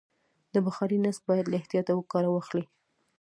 د بخارۍ نصب باید له احتیاطه کار واخلي.